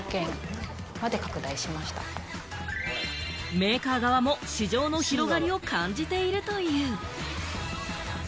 メーカー側も市場の広がりを感じているという。